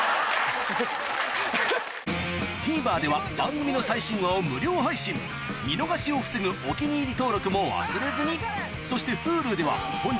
ＴＶｅｒでは番組の最新話を無料配信見逃しを防ぐ「お気に入り」登録も忘れずにそしてＨｕｌｕでは本日の放送も過去の放送も配信中